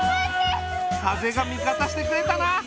風が味方してくれたな。